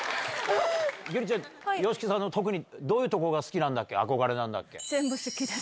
ギュリちゃん、ＹＯＳＨＩＫＩさんの特にどういうところが好きなんだっけ、全部好きです。